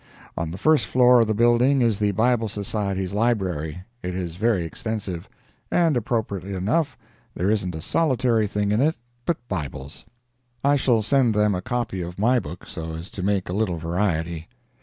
On the first floor of the building is the Bible Society's Library (it is very extensive,) and, appropriately enough, there isn't a solitary thing in it but Bibles! I shall send them a copy of my book, so as to make a little variety.